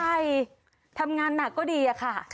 หมอกัยทำงานหนักก็ดีอ่ะค่ะ